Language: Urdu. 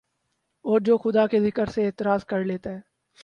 اور جو خدا کے ذکر سے اعراض کر لیتا ہے